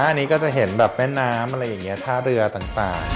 อันนี้ก็จะเห็นแบบแม่น้ำอะไรอย่างนี้ท่าเรือต่าง